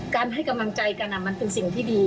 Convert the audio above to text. ให้กำลังใจกันมันเป็นสิ่งที่ดี